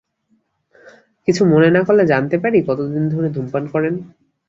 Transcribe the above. কিছু মনে না করলে জানতে পারি, কতদিন ধরে ধূমপান করেন?